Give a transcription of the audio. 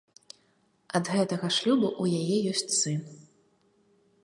Ад гэтага шлюбу ў яе ёсць сын.